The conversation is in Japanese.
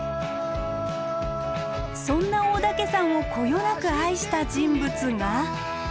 そんな大岳山をこよなく愛した人物が。